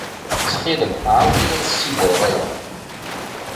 Ttxil-m, ɛawen-iyi ad ssidreɣ aya.